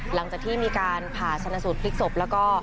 หลังจากที่มีการผ่าชนะสูตรพลิกศพแล้วก็